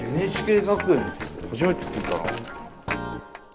ＮＨＫ学園って初めて聞いたな。